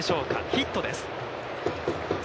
ヒットです。